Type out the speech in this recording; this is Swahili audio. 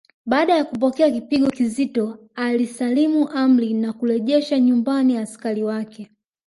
Baada ya kupokea kipigo kizito alisalimu amri na kurejesha nyumbani askari wake